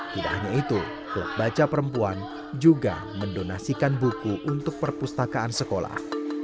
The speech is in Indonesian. tidak hanya itu klub baca perempuan juga mendonasikan buku untuk perpustakaan sekolah